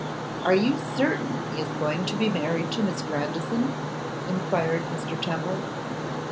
'Are you certain he is going to be married to Miss Grandison?' enquired Mr. Temple.